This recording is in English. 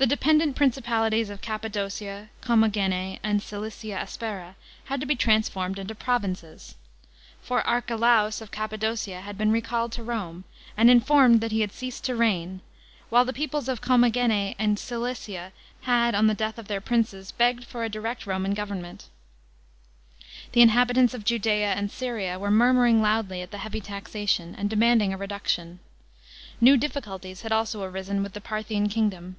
The dependent principalities of Cappadocia, Commagene and Cilicia Aspera had to be transformed into provinces; for Archelaus of Cappadocia had been recalled to Rome, and informed that he had ceased to reign, while the peoples of Commagene and Cilicir, had, on the death of their princes, begged for a direct Roman government. The inhabitants of Judea and Syria were murmuring loudly at the heavy taxation, and demanding a reduction. New difficulties had also arisen with the Parthian kingdom.